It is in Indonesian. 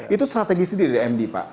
itu strategi sendiri dari md pak